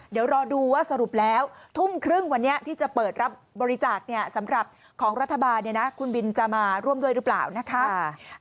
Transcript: เดี๋ยวรอดูว่าสรุปแล้วทุ่มครึ่งวันนี้ที่จะเปิดรับบริจาคสำหรับของรัฐบาลคุณบินจะมาร่วมด้วยหรือเปล่านะคะ